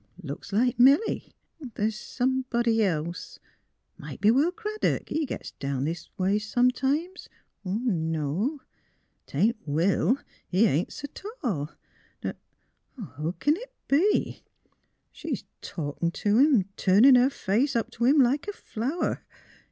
" Looks like Milly; but the's somebody else. Might be Will Craddock; he gits down this way sometimes. ... No; 'tain't Will. He ain't s' tall, ner ... Who c'n it be? She's talkin' t' him, turnin' her face up t' him, like a flower.